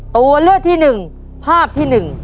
ตัวเลือกที่หนึ่งภาพที่หนึ่ง